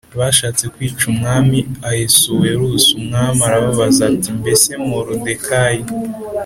bashatse kwica Umwami Ahasuwerusi Umwami arababaza ati mbese Moridekayi